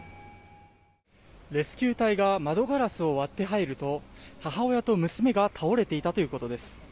レスキュー隊が窓ガラスを割って入ると母親と娘が倒れていたということです。